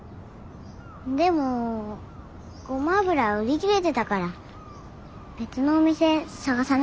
でもゴマ油売り切れてたから別のお店探さなきゃ。